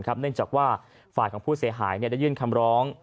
เนื่องจากว่าฝ่ายของผู้เสียหายได้ยื่นคำร้อง